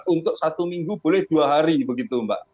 untuk satu minggu boleh dua hari begitu mbak